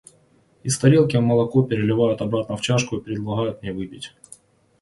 Из тарелки молоко переливают обратно в чашку и предлагают мне выпить.